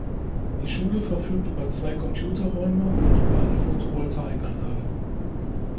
Die Schule verfügt über zwei Computerräume und über eine Photovoltaikanlage.